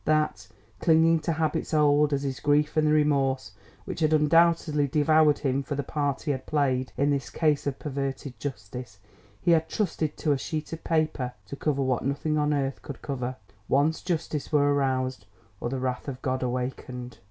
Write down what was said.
That, clinging to habits old as his grief and the remorse which had undoubtedly devoured him for the part he had played in this case of perverted justice, he had trusted to a sheet of paper to cover what nothing on earth could cover, once Justice were aroused or the wrath of God awakened.